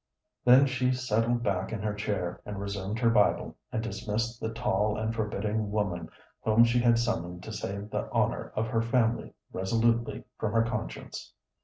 Then she settled back in her chair and resumed her Bible, and dismissed the tall and forbidding woman whom she had summoned to save the honor of her family resolutely from her conscience.